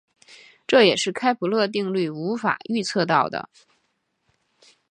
这也是开普勒定律无法预测到的。